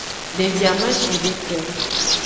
Devi amashideke.